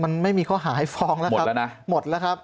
มันไม่มีข้อหาให้ฟ้องแล้วครับหมดแล้วครับ